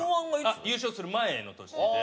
あっ優勝する前の年で。